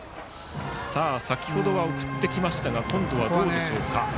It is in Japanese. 先程は送ってきましたが今度はどうでしょうか。